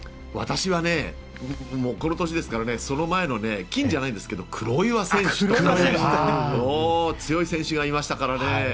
私はこの年ですからその前の金じゃないんですが黒岩選手とかね強い選手がいましたからね。